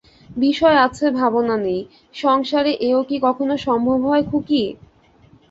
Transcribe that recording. বিষয় আছে ভাবনা নেই, সংসারে এও কি কখনো সম্ভব হয় খুকি?